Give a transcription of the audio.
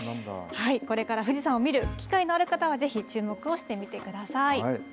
これから富士山を見る機会のある方は、ぜひ注目をしてみてください。